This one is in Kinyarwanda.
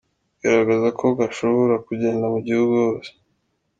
Bigaragaza ko gashobora kugenda mu gihugu hose.